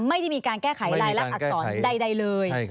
ไม่ได้มีการแก้ไขรายลักษณอักษรใดเลย